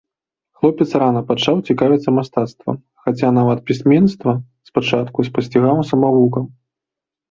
Хлопец рана пачаў цікавіцца мастацтвам, хаця нават пісьменства спачатку спасцігаў самавукам.